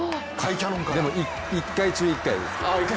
でも、１回中１回ですけど。